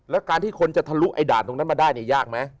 แล้วการที่คนจะทะลุไอด่านตรงนั้นมาได้เนี่ยยากไหม